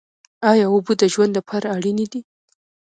ایا اوبه د ژوند لپاره اړینې دي؟